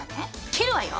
切るわよ！